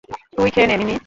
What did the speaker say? তুই খেয়ে নে, মিম্মি।